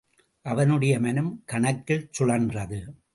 அவனுடைய மனம் கணக்கில் சுழன்றது.